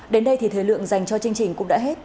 đến đây thì thời lượng dành cho chương trình cũng đã hết